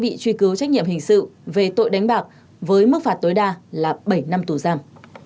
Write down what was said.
bộ luật hình sẽ cứu trách nhiệm hình sự về tội đánh bạc với mức phạt tối đa là bảy năm tù giam